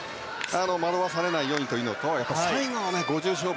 惑わされないようにというのとあと、最後の５０勝負。